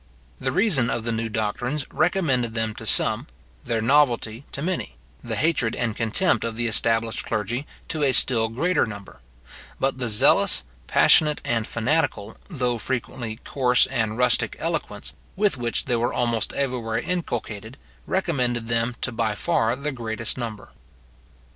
The reason of the new doctrines recommended them to some, their novelty to many; the hatred and contempt of the established clergy to a still greater number: but the zealous, passionate, and fanatical, though frequently coarse and rustic eloquence, with which they were almost everywhere inculcated, recommended them to by far the greatest number.